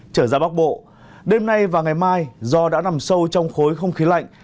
trở ra bắc bộ đêm nay và ngày mai do đã nằm sâu trong khối không khí lạnh